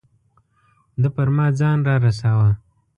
ده پر ما ځان را رساوه.